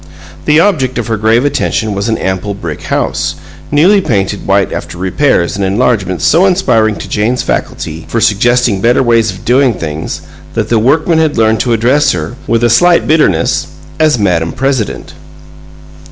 The object of her grave attention was an ample brick house, newly painted white after repairs and enlargements so inspiring to Jane's faculty for suggesting better ways of doing things, that the workmen had learned to address her, with a slight bitterness, as "Madam President."